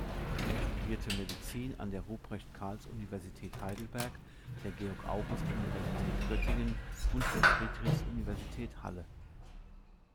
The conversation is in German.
Er studierte Medizin an der Ruprecht-Karls-Universität Heidelberg, der Georg-August-Universität Göttingen und der Friedrichs-Universität Halle.